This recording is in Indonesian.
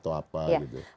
atau apa gitu